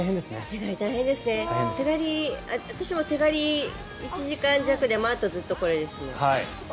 手刈り、私も１時間弱であとずっとこれですね。